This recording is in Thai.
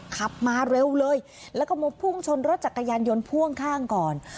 ขับมาเร็วเลยแล้วก็มาพุ่งชนรถจักรยานยนต์พ่วงข้างก่อน